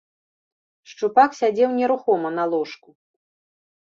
Шчупак сядзеў нерухома на ложку.